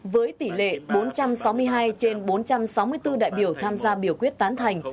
với tỷ lệ bốn trăm sáu mươi hai trên bốn trăm sáu mươi bốn đại biểu tham gia biểu quyết tán thành